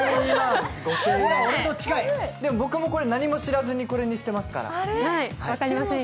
僕もこれ何も知らずにこれにしてますから。